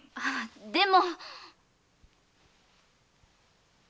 でも。